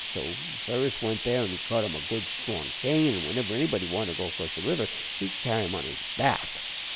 So Ferus went there, an' he cut him a good, strong cane, an' whenever anybody wanted to go across the river he'd carry 'em on his back.